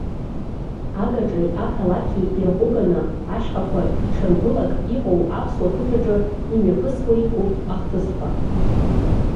Агаҿеи ақалақьи ирҟәыганы ашьхақәа аҽыргәылак иҟоу аԥсуа қыҭаҿы имҩаԥысуеит урҭ ахҭысқәа.